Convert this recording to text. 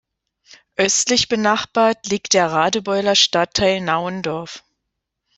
Östlich benachbart liegt der Radebeuler Stadtteil Naundorf.